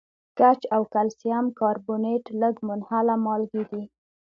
ګچ او کلسیم کاربونیټ لږ منحله مالګې دي.